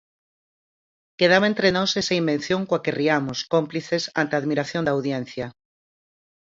Quedaba entre nós esa invención coa que riamos, cómplices, ante a admiración da audiencia.